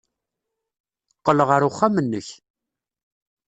Qqel ɣer uxxam-nnek.